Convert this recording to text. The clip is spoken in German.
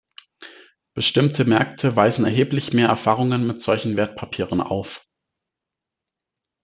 Bestimmte Märkte weisen erheblich mehr Erfahrungen mit solchen Wertpapieren auf.